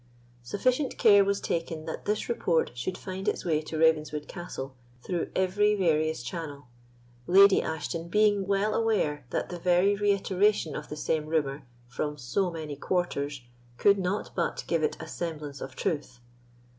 Sufficient care was taken that this report should find its way to Ravenswood Castle through every various channel, Lady Ashton being well aware that the very reiteration of the same rumour, from so many quarters, could not but give it a semblance of truth.